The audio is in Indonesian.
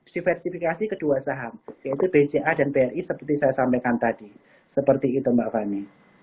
diversifikasi kedua saham yaitu bca dan bri seperti saya sampaikan tadi seperti itu mbak fani